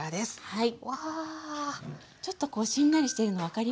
はい。